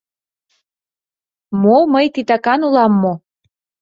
— Мо, мый титакан улам мо?